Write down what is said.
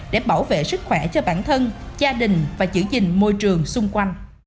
để bảo vệ sức khỏe cho bản thân gia đình và giữ gìn môi trường xung quanh